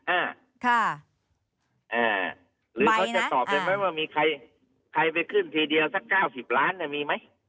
หรือเขาจะตอบเป็นไหมว่ามีใครไปขึ้นทีเดียวสัก๙๐ล้านเนี่ยมีไหม